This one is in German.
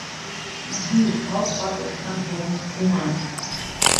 Sie ist Hauptort des Kantons Brumath.